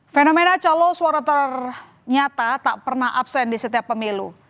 fenomena calon suara ternyata tak pernah absen di setiap pemilu